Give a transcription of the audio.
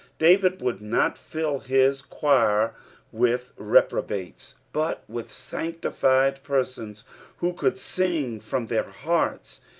Da^id would not fill his cfaoir with reprobates, but with sanctified persons, who could sing from their hearts.